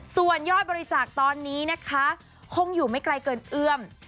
ส่วนยอดบริจาคตอนนี้นะคะคงอยู่ไม่ไกลเกินเอื้อม